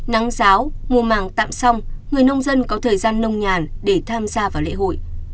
nắng giáo mùa màng tạm xong người nông dân có thời gian nông nhàn để tham gia vào lễ hội